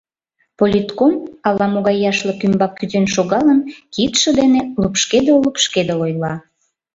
Политком, ала-могай яшлык ӱмбак кӱзен шогалын, кидше дене лупшкедыл-лупшкедыл ойла: